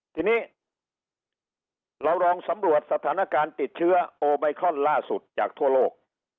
ทีนี้เราลองสำรวจสถานการณ์ติดเชื้อโอไมคอนล่าสุดจากทั่วโลก